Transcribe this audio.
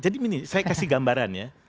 jadi ini saya kasih gambaran ya